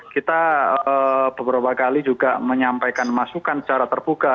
kita beberapa kali juga menyampaikan masukan secara terbuka